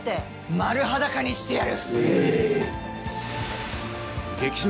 丸裸にしてやる。